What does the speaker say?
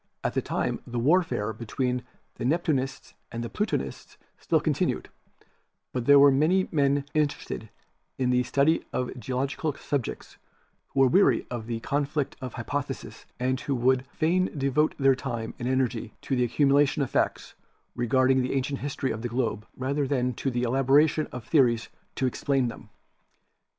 At that time the warfare between the Neptunists and Plutonists still continued, but there were many men interested in the study of geological subjects who were weary of the con flict of hypotheses and who would fain devote their time and energy to the accumulation of facts regarding the ancient history of the globe rather than to the elaboration of theories to explain them.